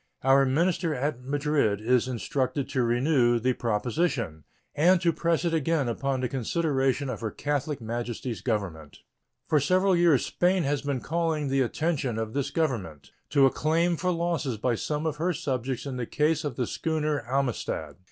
Our minister at Madrid is instructed to renew the proposition and to press it again upon the consideration of Her Catholic Majesty's Government. For several years Spain has been calling the attention of this Government to a claim for losses by some of her subjects in the case of the schooner Amistad.